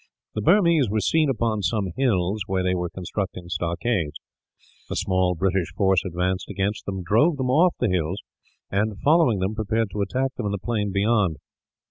The Burmese were seen upon some hills, where they were constructing stockades. The small British force advanced against them, drove them off the hills and, following them, prepared to attack them in the plain beyond.